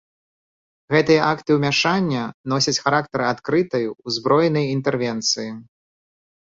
Гэтыя акты ўмяшання носяць характар адкрытай узброенай інтэрвенцыі.